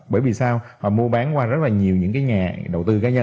bởi vì sao họ mua bán qua rất là nhiều những cái nhà đầu tư cá nhân